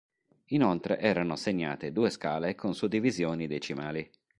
Inoltre erano segnate due scale con suddivisioni decimali.